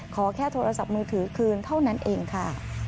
ขอแค่โทรศัพท์มือถือคืนเท่านั้นเองค่ะ